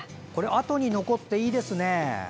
あとに残っていいですね。